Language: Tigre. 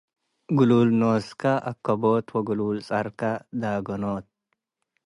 ግሉል ኖስከ አከቦት ወግሉል ጸርከ ዳገኖት።